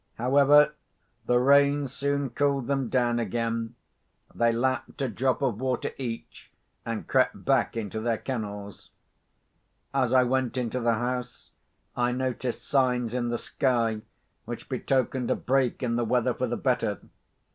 However, the rain soon cooled them down again: they lapped a drop of water each, and crept back into their kennels. As I went into the house, I noticed signs in the sky which betokened a break in the weather for the better.